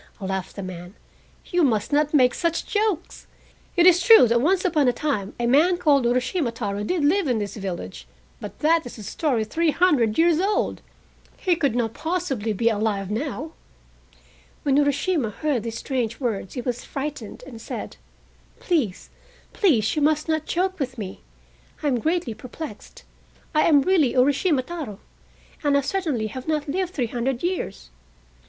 laughed the man, "you must not make such jokes. It is true that once upon a time a man called Urashima Taro did live in this village, but that is a story three hundred years old. He could not possibly be alive now!" When Urashima heard these strange words he was frightened, and said: "Please, please, you must not joke with me, I am greatly perplexed. I am really Urashima Taro, and I certainly have not lived three hundred years.